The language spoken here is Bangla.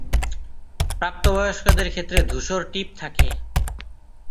প্রাপ্তবয়স্কদের ক্ষেত্রে ধূসর টিপ থাকে।